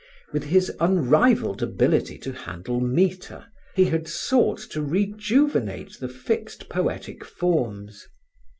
With his unrivalled ability to handle metre, he had sought to rejuvenate the fixed poetic forms.